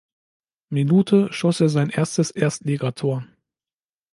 Minute schoss er sein erstes Erstligator.